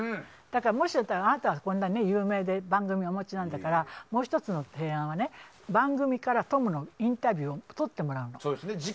だから、もしあれだったらあなたはこんなに有名で番組をお持ちなんだからもう１つの提案は番組からトムのインタビューを撮ってもらうの。